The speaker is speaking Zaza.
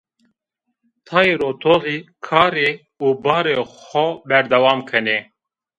Tayê rotoxî karê û barê xo berdewam kenê.